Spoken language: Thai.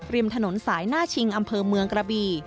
ริมถนนสายหน้าชิงอำเภอเมืองกระบี